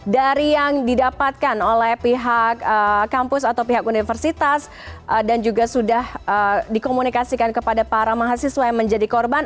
dari yang didapatkan oleh pihak kampus atau pihak universitas dan juga sudah dikomunikasikan kepada para mahasiswa yang menjadi korban